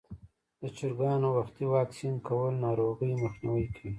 د چرګانو وختي واکسین کول ناروغۍ مخنیوی کوي.